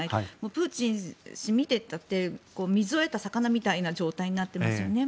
プーチン氏を見ていて水を得た魚みたいな状態になっていますよね。